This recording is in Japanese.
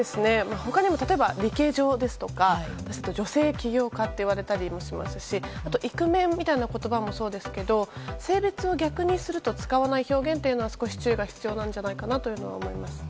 他にも例えばリケ女ですとか女性起業家といわれたりしますしイクメンみたいな言葉もそうですけど性別を逆にすると使わない表現には少し注意が必要じゃないかと思います。